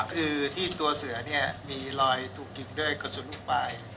คือที่ตัวเสือเนี่ยมีรอยถูกดึงด้วยกระสุนลูกปลาย